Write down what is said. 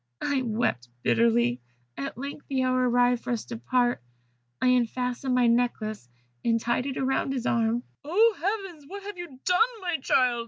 I wept bitterly. At length the hour arrived for us to part, I unfastened my necklace, and tied it round his arm " "Oh, heavens! what have you done, my child?"